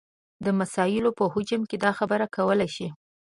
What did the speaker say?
د مسایلو په هجوم کې دا خبره کولی شي.